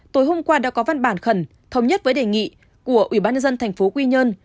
tối hôm qua đã có văn bản khẩn thống nhất với đề nghị của ủy ban nhân dân thành phố quy nhơn